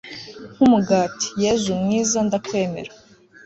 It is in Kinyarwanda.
nk'umugati. yezu mwiza ndakwemera